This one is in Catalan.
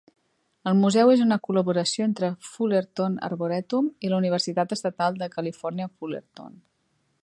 El museu és una col·laboració entre Fullerton Arboretum i la Universitat Estatal de Califòrnia Fullerton.